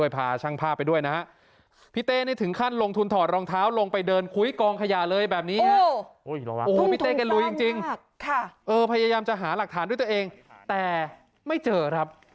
พี่เต้ถึงขั้นลงทุนถอดรองเท้าลงไปดในคุ้ยกองกยา